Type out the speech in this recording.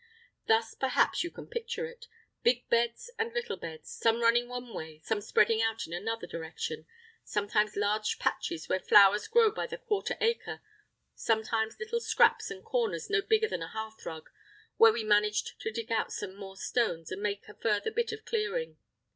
Thus perhaps you can picture it—big beds and little beds, some running one way, some spreading out in another direction; sometimes large patches where flowers grow by the quarter acre; sometimes little scraps and corners no bigger than a hearth rug, where we managed to dig out some more stones, and make a further bit of clearing.